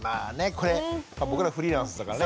これ僕らフリーランスだからね。